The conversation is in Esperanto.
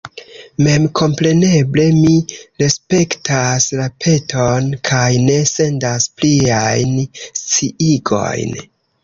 Memkompreneble mi respektas la peton kaj ne sendas pliajn sciigojn.